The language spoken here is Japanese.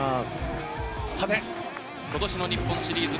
さて今年の日本シリーズ